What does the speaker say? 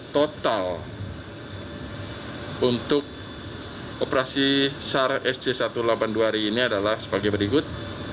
total untuk operasi sar sj satu ratus delapan puluh dua hari ini adalah sebagai berikut